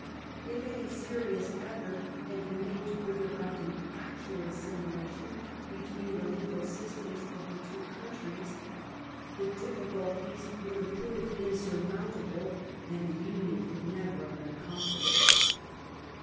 If any serious effort had been made to bring about an actual assimilation between the legal systems of the two countries, the difficulties would have proved insur 270 FIRST PARLIAMENT OF THE UNION mountable and the union could never have been accom plished.